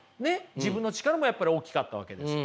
自分の力もやっぱり大きかったわけですよ。